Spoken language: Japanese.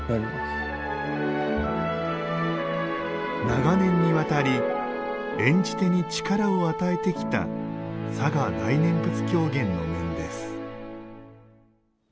長年にわたり演じ手に力を与えてきた嵯峨大念佛狂言の面です。